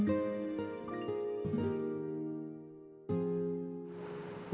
kau tidak bisa melihatnya